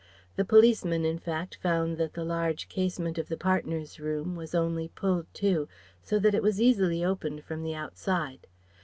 The policemen in fact found that the large casement of the partners' room was only pulled to, so that it was easily opened from the outside.